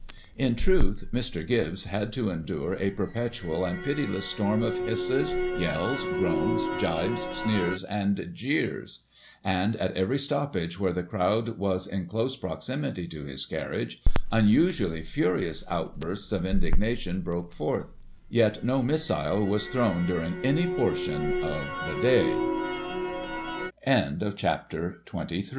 In truth, Mr. Gibbs had to endure a perpetual and pitiless storm of hisses, yells, groans, gibes, sneers and jeers ; and at every stoppage where the crowd was in close proximity to his carriage, unusually furious bursts of indigna tion broke forth ; yet no missile was thrown durin